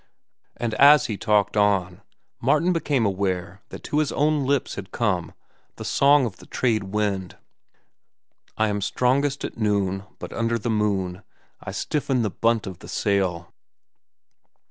And as he talked on, Martin became aware that to his own lips had come the "Song of the Trade Wind": "I am strongest at noon, But under the moon I stiffen the bunt of the sail."